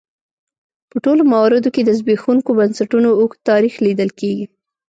په ټولو مواردو کې د زبېښونکو بنسټونو اوږد تاریخ لیدل کېږي.